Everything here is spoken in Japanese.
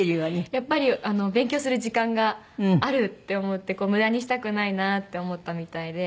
やっぱり勉強する時間があるって思って無駄にしたくないなって思ったみたいで。